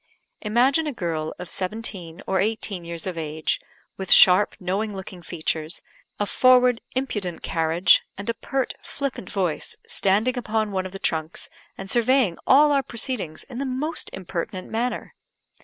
Imagine a girl of seventeen or eighteen years of age, with sharp, knowing looking features, a forward, impudent carriage, and a pert, flippant voice, standing upon one of the trunks, and surveying all our proceedings in the most impertinent manner.